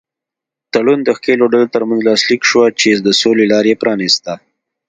تړون د ښکېلو ډلو تر منځ لاسلیک شوه چې د سولې لاره یې پرانیسته.